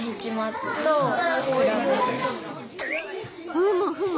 ふむふむ。